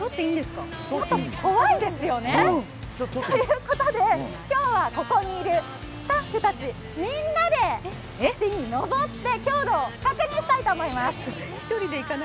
ちょっと怖いですよね。ということで、今日はここにいるスタッフたちみんなで橋にのぼって強度を確認したいと思います。